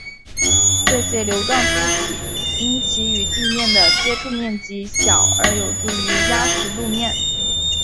这些瘤状突起因其与地面的接触面积小而有助于压实路面。